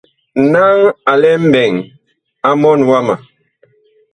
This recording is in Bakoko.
Naŋ a lɛ mɓɛɛŋ mɔɔn wama.